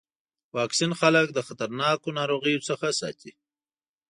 واکسین خلک د خطرناکو ناروغیو څخه ساتي.